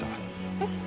えっ？